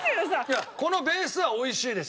いやこのベースは美味しいです。